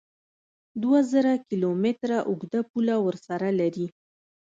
دوه زره کیلو متره اوږده پوله ورسره لري